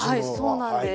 そうなんです。